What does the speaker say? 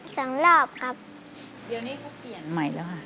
เดี๋ยวนี้เขาเปลี่ยนใหม่แล้วค่ะ